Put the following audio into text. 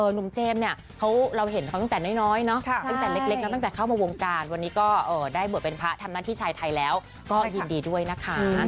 เจมส์เนี่ยเราเห็นเขาตั้งแต่น้อยเนาะตั้งแต่เล็กนะตั้งแต่เข้ามาวงการวันนี้ก็ได้บวชเป็นพระทำหน้าที่ชายไทยแล้วก็ยินดีด้วยนะคะ